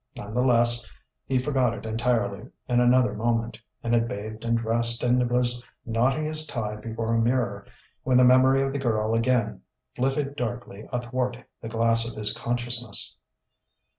None the less he forgot it entirely in another moment, and had bathed and dressed and was knotting his tie before a mirror when the memory of the girl again flitted darkly athwart the glass of his consciousness.